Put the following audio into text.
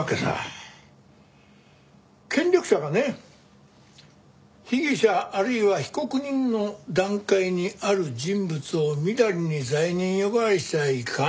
権力者がね被疑者あるいは被告人の段階にある人物をみだりに罪人呼ばわりしちゃいかんのよ。